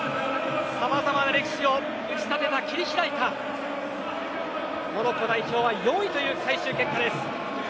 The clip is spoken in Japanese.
さまざまな歴史を打ち立てた切り開いたモロッコ代表は４位という最終結果です。